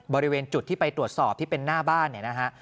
บริเวณจุดที่ไปตรวจสอบที่เป็นหน้าบ้านเนี่ยนะฮะ